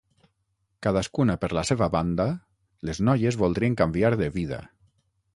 Cadascuna per la seva banda, les noies voldrien canviar de vida.